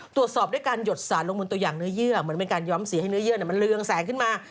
ตรวจสอบด้วยการหยดสารลงบนตัวอย่างเนื้อเยื่อเหมือนเป็นการย้อมสีให้เนื้อเยื่อมันเรืองแสงขึ้นมา